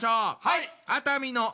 はい！